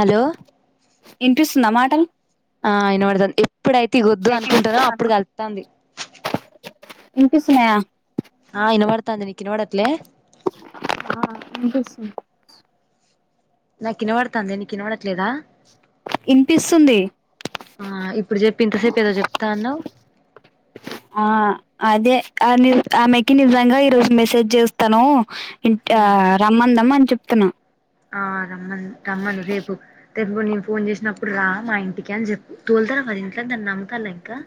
hello ఇనిపిస్తుందా మాటలు ఆ అయిన పడుతుంది ఎప్పుడైతే వొద్దు అనుకుంటానో అప్పుడు కళ్తాంది ఇంకి సనాయా ఆ ఇనబడతాంద నికి ఇనాపడట్లీ ఆ అంట నాకు ఇనబడతాంది నీకి ఇనవడట్లేదా వినిపిస్తుంది ఆ ఇప్పుడు చెప్ప ఇంతసేపు ఏదో చెప్తా అన్నావ ఆ అదే ఆ ని ఆమెకి నిజంగా ఈ రోజు మెసేజ్ చేస్తాను ఉమ్ రమ్మందమ్ చెప్తున్నా ఆ రమ్మన్ రమ్మను రేపు రేపు నేను ఫోన్ చేసినప్పుడు రా మా ఇంటికి అని చెప్ తోలుతారా కది ఇంట్లో దాన్ని నమ్ముతాల ఇంకా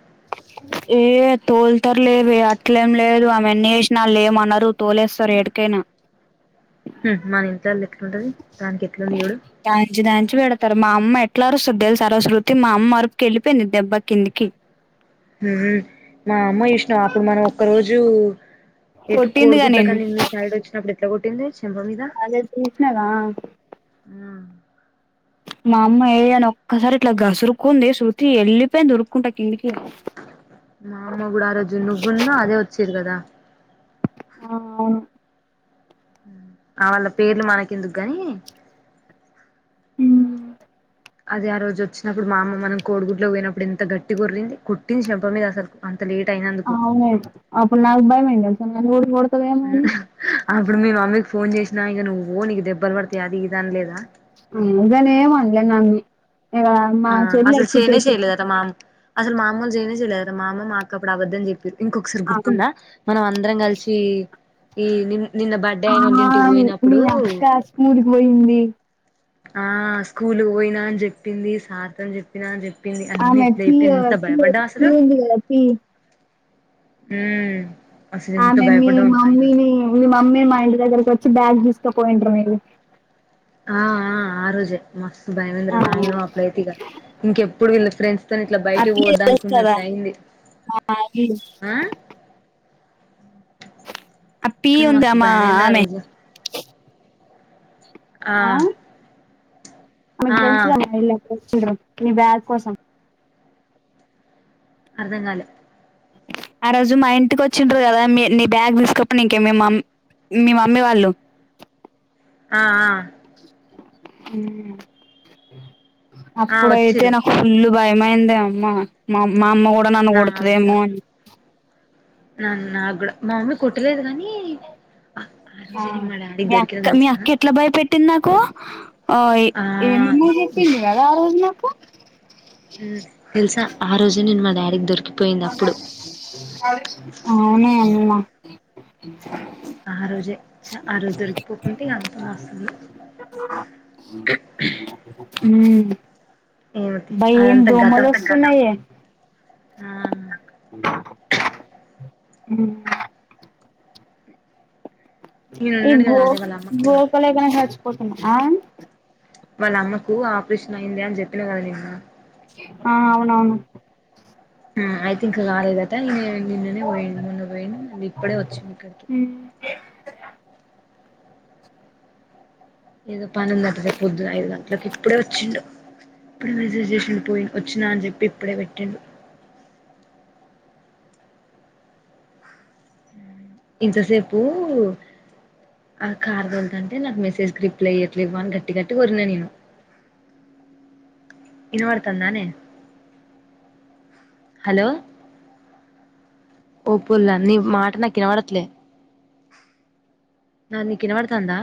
ఏ తోలుతారు లేవ అట్లేం లేదు ఆమె అన్న వసినాళ్ు ఏమన్నారు తోలేస్తారు ఎడికైనా [unintelligible] ఉంటుది ప్లాన్ ఎట్లు ఉంది ఎవడు మ దాంచి పెడతారు మా అమ్మ ఎట్లా అరుస్తుద్దలు సార శృతి మా అమ్మ వరపుకి వెళ్లిపోయింది దెబ్బ కిందికి హ మా అమ్మ విష్ణం అప్పుడు మనం ఒక్క రోజు ఎటు కొట్టిందిగా కోడిగుడ్ల నేను కానిది మీ సైడ్ వచ్చినప్పుడు ఎట్లా కొట్టింది చెంప అదే ప్రసినదా మీద మా అమ్మయి ఏయ్యాని ఒక్కసారి ఇట్లా గసురుకుంది శ్రృతి వెళ్ళిపోయింది వురుకుంటా కిందికి మామ కూడా కూడా ఆరజు నువ్వున్న అదే వచ్చిరు కదా ఆ ఆ వాళ్ళ పేర్లు మనకి ఎందుకుగాని హ అది ఆ రోజు వచ్చినప్పుడు మా అమ్మ మనం కోడిగుడ్లోకి పోయినప్పుడు ఇంత గట్టి కొరరిలింది కుట్టింది చెంప మీద అసలు లేట్ అయినందుకు అవును అప్పుడు నాకు భయమైంది తెలుసా నన్ను కూడా కొడతదేమో అని అప్పుడు మీ మమ్మీ ఫోన్ చేసినా ఇక నువ్వు నీకు దెబ్బలు పడితేయి అది ఇది అనిలేదా అదనే ఏ మనలే నన్న ఆ అసలు చేనే చెయలేదు మా అసలు మామూలు చేనే చేయలేదు మామ మాకు అప్పుడు అవద్దని చెప్పారు ఆ కలిసి ఈ నిన్ నిన్న బర్డే ఆ అయిన వాళ్ళ ఇంటికి మీ పోయినప్పుడు అక్క స్కూల్ కి పోయింది ఆ స్కూల్ పోయినా అని చెప్పింది సార్ తో చెప్పిన అని చెప్పి ది అన్ని ఆమె ఎట్లా పి చెప్పింది ఎంత భయపడ్డా పి అసలు ఉంది కదా పి ఊ ఆమె మీ మమ్మీని మీ మమ్మీ మా ఇంటి దగ్గరకి వచ్చి బ్యాగ్ తీసు పోయిన్రు మీరు ఆ ఆ ఆరోజే మస్తు భయం అయింది ఆ రా నాయనో అప్పుడైతే ఇగా ఇంకెప్పుడు వీళ్ల ఫ్రెండ్స్ తోని ఇట్లా ఆ బయటకి పి పోవద్దు తెలుస్తదా అనుకున్నట్టు అయింది ఆ అ పీ కానీ ఉందా మస్తు మా భయమైంది ఆ ఆమె రోజు ఆ ఆమీకు ఆ తెలుసుగా మా ఇళ్లకు వచ్చిండ్రు మీ బ్యాగ్ కోసం అర్ధంగాలే ఆ రోజు మా ఇంటికి వచ్చిండ్రు కదా మీ నీ బ్యాగ్ తీసుకపోనికి మీ మామ్ మీ మమ్మీ వాళ్ళు ఆ ఆ ఊ ఆ అప్పుడైతే వచ్చిరు నాకు ఫుల్ భయమైందే అమ్మ మా మా అమ్మ కూడా నన్ను నాకు కూడా కొడుతదేమో అని నా గూడా మా మమ్మీ కొట్టలేదు గానీ ఆ మీ అక్క మీ అక్క ఎట్లా భయపెట్టింది నాకు ఆ ఏమేమో చెప్పింది కదా ఆ రోజు నా ఊ తెలుసా ఆ రోజు నేను మా డాడీకి దొరికిపోయింది అప్పుడు అవునే అమ్మా ఆ రోజే చ ఆ రోజు దొరికిపోకుంటే అంత మస్తుండే ఊ ఏమిటి అబ్బా ఏం అదంతా గతం దోమలస్తున్నయే ఆ నేను ఈ ఉన్నాడు కదా గో అదే వాళ్ళ అమ్మకు గోకలేకనే చచ్చిపోతున్నా వాళ్ళ అమ్మకు ఆపరేషన్ అయింది అని చెప్పిన కదా నిన్న ఆ అవునవును అయితే ఇంకా కాలేదట ఈనే నిన్ననే వో మొన్న వోయిండు మళ్ళా ఇప్పుడే వచ్చిండు ఇక్కడికి ఏదో పని ఉందట రేపు పొద్దున ఐదు గంట్ల కి ఇప్పుడే వచ్చిండు ఇప్పుడె విజట్ చేసిండు పోయి వచ్చినా అని చెప్పి ఇప్పుడే పెట్టిండు ఇంతసేపు ఆ కార్ తోలుతాంటే నాకు మెసేజ్ కి రిప్లైఇయ్యట్లేవ్వు అని గట్టి గట్టిగా ఓర్రినా నేను ఇనవడుతాందనే హలో ఓ పొల్ల నీ మాట నాకినవడతలే నాది నీకు ఇనవడతాందా